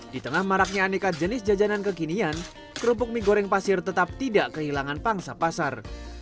di tengah maraknya aneka jenis jajanan kekinian kerupuk mie goreng pasir tetap tidak kehilangan pangsa pasar